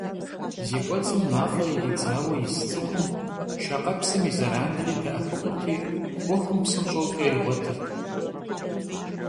Зи кӏуэцӏым мафӏэ иридзауэ ис цӏыхум шакъэпсым и зэранри «дэӏэпыкъурти», ӏуэхум псынщӏэу кӏэ игъуэтырт.